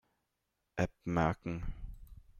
App merken.